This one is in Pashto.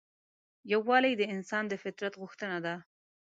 یووالی د انسان د فطرت غوښتنه ده.